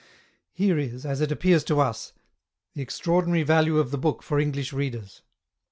Here is, as it appears to us, the extra ordinary value of the book for English readers.